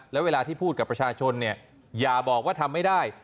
แล้วเวลาที่พูดกับประชาชนเนี่ยอย่าบอกว่าทำไม่ได้